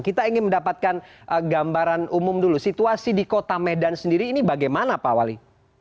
kita ingin mendapatkan gambaran umum dulu situasi di kota medan sendiri ini bagaimana pak wali